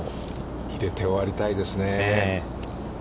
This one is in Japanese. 入れて終わりたいですね。